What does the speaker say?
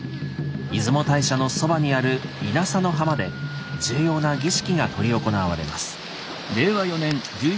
出雲大社のそばにある稲佐の浜で重要な儀式が執り行われます。